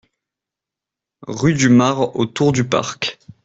Rue du Mare au Tour-du-Parc